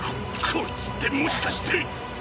こいつってもしかして。